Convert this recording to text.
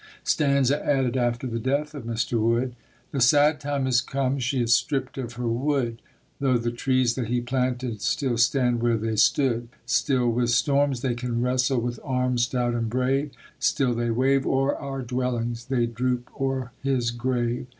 Stanza added after the death of Mr. Wood The sad time is come; she is stript of her Wood, 'Though the trees that he planted still stand where they stood, Still with storms they can wrestle with arms stout and brave; Still they wave o'er our dwellings they droop o'er his grave!